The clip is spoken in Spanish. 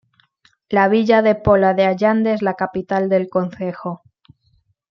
La villa de Pola de Allande es la capital del concejo.